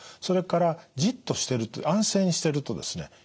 それからじっとしてる安静にしてるとですね